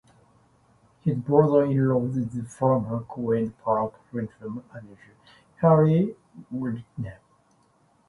His brother-in-law is former Queens Park Rangers manager Harry Redknapp.